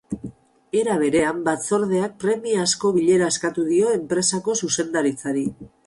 Era berean, batzordeak premiazko bilera eskatu dio enpresako zuzendaritzari.